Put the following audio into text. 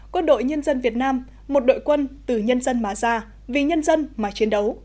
quân đội nhân dân việt nam một đội quân từ nhân dân mà ra vì nhân dân mà chiến đấu